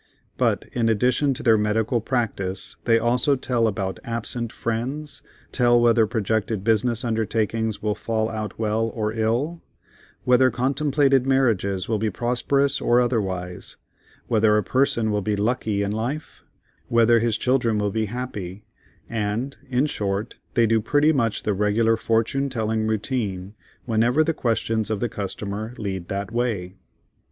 But in addition to their medical practice they also tell about "absent friends;" tell whether projected business undertakings will fall out well or ill; whether contemplated marriages will be prosperous or otherwise: whether a person will be "lucky" in life, whether his children will be happy, and, in short, they do pretty much the regular fortune telling routine, whenever the questions of the customer lead that way.